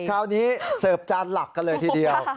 คราวนี้เสิร์ฟจานหลักกันเลยทีเดียว